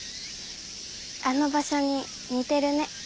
あの場所に似てるね。